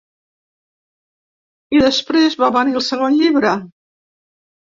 I després va venir el segon llibre.